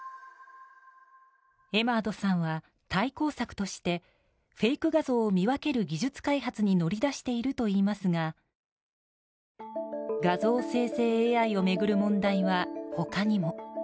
エマードさんは対抗策としてフェイク画像を見分ける技術開発に乗り出しているといいますが画像生成ＡＩを巡る問題は他にも。